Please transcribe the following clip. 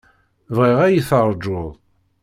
Bɣiɣ ad yi-terjuḍ.